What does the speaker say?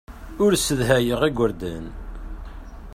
Ur ssedhayeɣ igerdan.